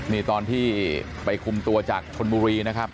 นี่ตอนที่ไปคุมตัวจากชนบุรีนะครับ